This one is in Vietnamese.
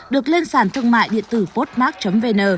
được lên sàn thương mại điện tử postmark vn